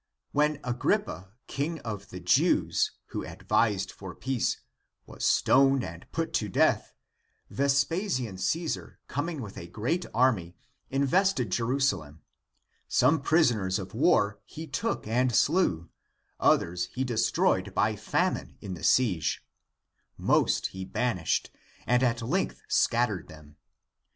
When Agrippa, King of the Jews, who ad vised for peace, was stoned and put to death, Ves pasian Caesar, coming with a great army, invested Jerusalem ; some prisoners of war he took and slew, others he destroyed by famine in the siege; most he banished and at length scattered them.